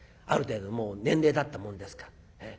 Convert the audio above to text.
ある程度もう年齢だったもんですから。